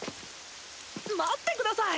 待ってください！